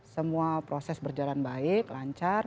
semua proses berjalan baik lancar